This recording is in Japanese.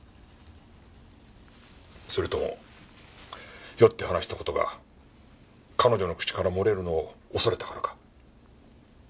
それとも酔って話した事が彼女の口から漏れるのを恐れたからか？